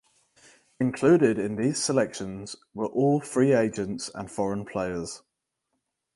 Included in these selections were all free agents and foreign players.